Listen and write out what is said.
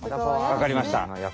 わかりました。